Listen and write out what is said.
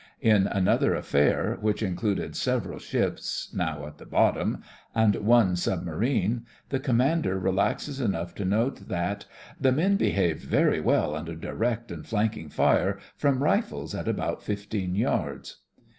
In another affair, which included several ships (now at the bottom) and one submarine, the commander relaxes enoucjh to note that: "The 50 THE FRINGES OF THE FLEET men behaved very well under direct and flanking fire from rifles at about fifteen yards."